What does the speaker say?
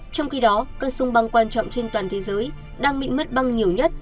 trong khi đó các sông băng quan trọng trên toàn thế giới đang bị mất băng nhiều nhất